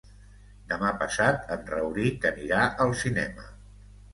Demà passat en Rauric anirà al cinema.